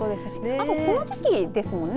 あと、この時期ですもんね